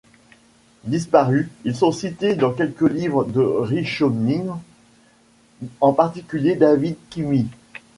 Disparus, ils sont cités dans quelques livres de Rishonim, en particulier David Kimhi.